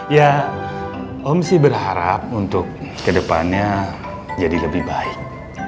ya om sih berharap untuk kedepannya jadi lebih baik